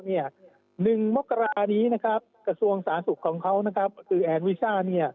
นึ่งมกรานี้กระทรวงสาศุกร์ของเขาแอนวอิซ่า